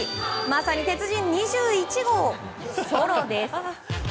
まさに鉄人２１号ソロです。